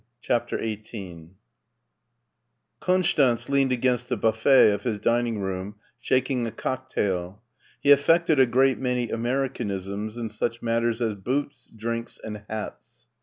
CHAPTER XVin KONSTANZ leaned against the buffet of his dining room shaking a cocktail. He affected a great many Americanisms in such matters as boots, drinks, and hats.